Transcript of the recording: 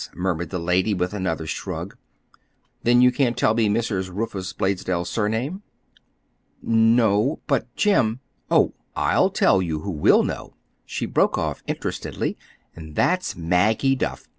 murmured the lady, with another shrug. "Then you can't tell me Mrs. Rufus Blaisdell's surname?" "No. But Jim—Oh, I'll tell you who will know," she broke off interestedly; "and that's Maggie Duff.